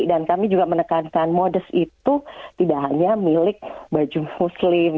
dan kami juga menekankan modus itu tidak hanya milik baju muslim